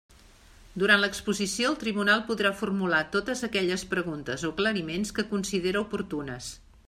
Durant l'exposició el tribunal podrà formular totes aquelles preguntes o aclariments que considere oportunes.